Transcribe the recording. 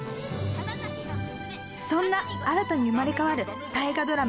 そんな新たに生まれ変わる大河ドラマ「篤姫」。